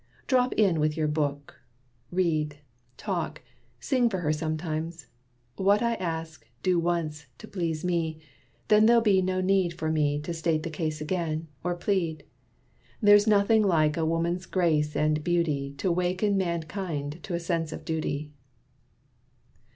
Drop in with your book Read, talk, sing for her sometimes. What I ask, Do once, to please me: then there'll be no need For me to state the case again, or plead. There's nothing like a woman's grace and beauty To waken mankind to a sense of duty."